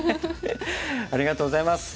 ありがとうございます。